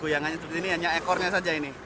yang hanya seperti ini hanya ekornya saja ini